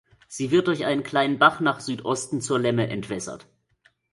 Sie wird durch einen kleinen Bach nach Südosten zur Lemme entwässert.